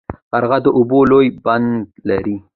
قرغه د اوبو لوی بند لري.